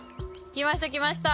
きましたきました。